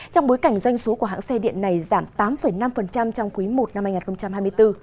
trong bối cảnh doanh số của hãng xe điện này giảm tám năm trong quý i năm hai nghìn hai mươi bốn